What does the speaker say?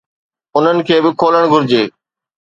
انهن کي به کولڻ گهرجي.